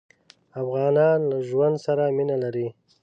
افغانان له ژوند سره مينه لري.